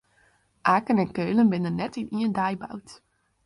Aken en Keulen binne net yn ien dei boud.